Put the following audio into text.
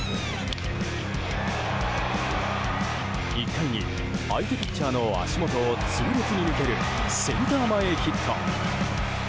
１回に相手ピッチャーの足元を痛烈に抜けるセンター前ヒット。